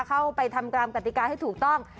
เข้าไปทำตามกติกาให้ถูกต้อง